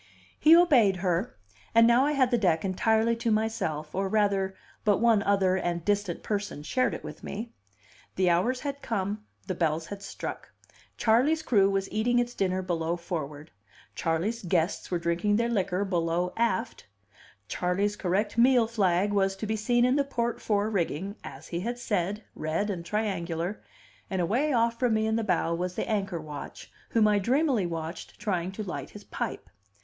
He obeyed her; and now I had the deck entirely to myself, or, rather, but one other and distant person shared it with me. The hour had come, the bells had struck; Charley's crew was eating its dinner below forward; Charley's guests were drinking their liquor below aft; Charley's correct meal flag was to be seen in the port fore rigging, as he had said, red and triangular; and away off from me in the bow was the anchor watch, whom I dreamily watched trying to light his pipe.